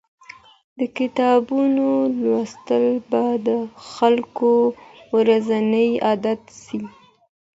د کتابونو لوستل به د خلګو ورځنی عادت سي.